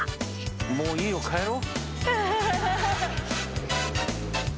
もういいよ帰ろう。